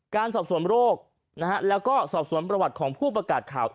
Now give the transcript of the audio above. การสอบสวนโรคนะฮะแล้วก็สอบสวนประวัติของผู้ประกาศข่าว